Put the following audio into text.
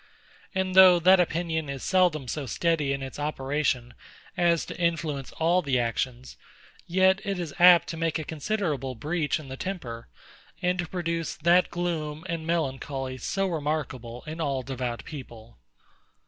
And though that opinion is seldom so steady in its operation as to influence all the actions; yet it is apt to make a considerable breach in the temper, and to produce that gloom and melancholy so remarkable in all devout people.